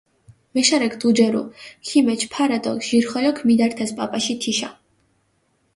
მეშარექ დუჯერუ, ქიმეჩჷ ფარა დო ჟირხოლოქ მიდართეს პაპაში თიშა.